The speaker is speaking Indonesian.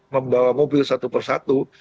membawa mobil satu persatu